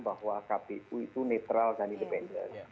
bahwa kpu itu netral dan independen